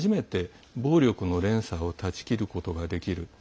それによって初めて暴力の連鎖を断ち切ることができる。